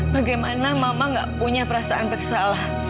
bagaimana mama gak punya perasaan bersalah